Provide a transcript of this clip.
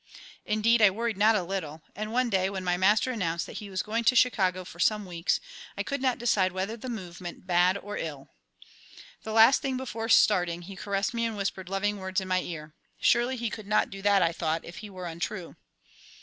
Indeed, I worried not a little, and one day when my master announced that he was going to Chicago for some weeks, I could not decide whether the move meant bad or ill. The last thing before starting he caressed me and whispered loving words in my ear. Surely he could not do that, I thought, if he were untrue.